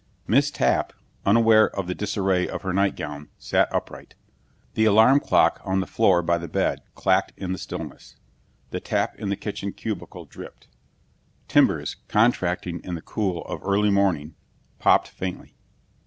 Miss Tapp, unaware of the disarray of her nightgown, sat upright. The alarm clock on the floor by the bed clacked in the stillness. The tap in the kitchen cubicle dripped. Timbers, contracting in the cool of early morning, popped faintly.